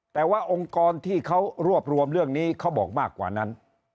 แต่ว่าองค์กรที่เขารวบรวมเรื่องนี้เขาบอกมากกว่านั้น